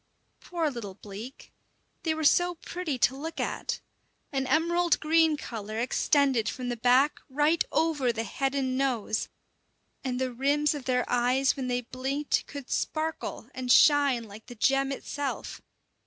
Poor little bleak! they were so pretty to look at. An emerald green colour extended from the back right over the head and nose; and the rims of their eyes when they blinked could sparkle and shine like the gem itself.